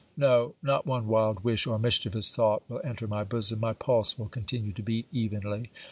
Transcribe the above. No: not one wild wish or mischievous thought will enter my bosom. My pulse will continue to beat evenly.